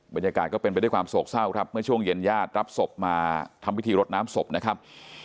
บรรยากาศก็เป็นไปด้วยความโศกเศร้าครับเมื่อช่วงเย็นญาติรับศพมาทำพิธีรดน้ำศพนะครับ